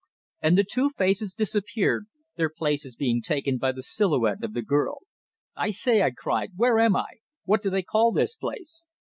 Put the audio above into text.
And the two faces disappeared, their places being taken by the silhouette of the girl. "I say!" I cried. "Where am I? What do they call this place?"